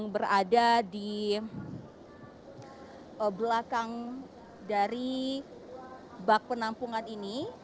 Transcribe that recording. berada di belakang dari bak penampungan ini